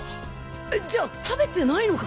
えっじゃあ食べてないのか？